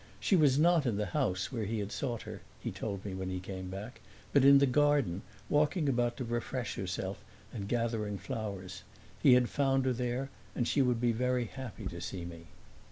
She was not in the house, where he had sought her, he told me when he came back, but in the garden walking about to refresh herself and gathering flowers. He had found her there and she would be very happy to see me.